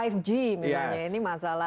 ini yang lima g misalnya